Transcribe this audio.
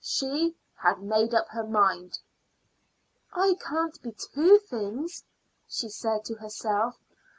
She had made up her mind. "I can't be two things," she said to herself.